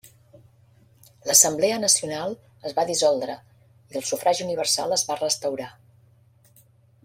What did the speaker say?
L'Assemblea Nacional es va dissoldre, i el sufragi universal es va restaurar.